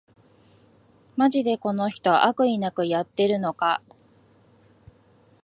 マジでこの人、悪意なくやってるのか